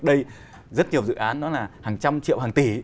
đây rất nhiều dự án đó là hàng trăm triệu hàng tỷ